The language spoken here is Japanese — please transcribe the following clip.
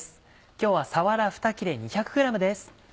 今日はさわら２切れ２００ｇです。